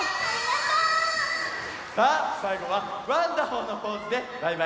さあさいごはワンダホーのポーズでバイバイしようね！